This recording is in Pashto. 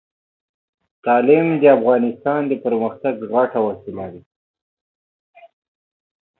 استنادي دیوالونه په درې ډولونو ویشل شوي دي